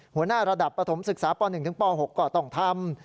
หัวหน้าระดับปฐมศึกษาป๑ถึงป๖ก็ต้องทำ